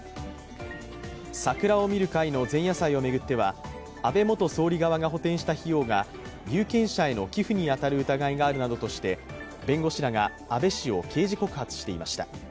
桜を見る会の前夜祭を巡っては安倍元総理側が補填した費用が有権者への寄付に当たる疑いがあるとして弁護士らが安倍氏を刑事告発していました。